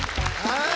はい。